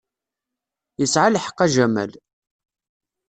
Yesɛa lḥeqq a Jamal.